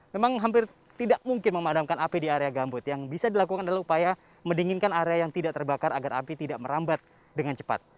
memang hampir tidak mungkin memadamkan api di area gambut yang bisa dilakukan adalah upaya mendinginkan area yang tidak terbakar agar api tidak merambat dengan cepat